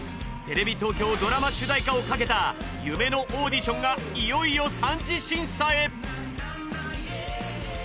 テレビ東京ドラマ主題歌をかけた夢のオーディションがいよいよ三次審査へ。